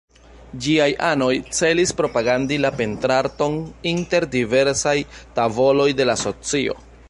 Ĝiaj anoj celis propagandi la pentrarton inter diversaj tavoloj de la socio.